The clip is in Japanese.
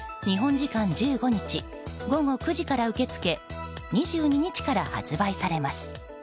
時間１５日午後９時から受け付け２２日から発売されます。